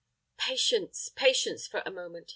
"Patience patience, for a moment!"